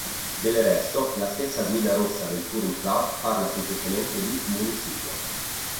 Del resto, la stessa guida rossa del Touring club parla semplicemente di "Municipio".